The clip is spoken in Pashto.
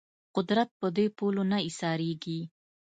قدرت په دې پولو نه ایسارېږي